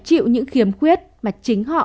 chịu những khiếm khuyết mà chính họ